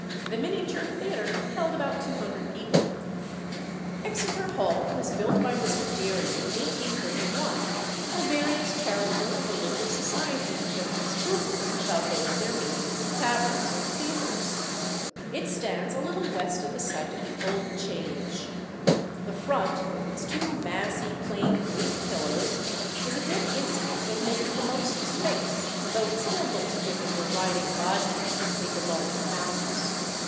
The miniature theatre held about 200 people. Exeter Hall was built by Mr. Deering, in 1831, for various charitable and religious societies that had scruples about holding their meetings in taverns or theatres. It stands a little west of the site of the "old Change." The front, with its two massy plain Greek pillars, is a good instance of making the most of space, though it still looks as if it were riding "bodkin" between the larger houses.